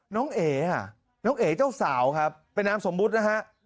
น้องเอ๋น้องเอ๋เจ้าสาวครับเป็นน้ำสมบุตรนะฮะ